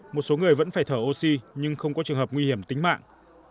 một số người vẫn phải thở oxy nhưng không có trường hợp nguy hiểm tính mạng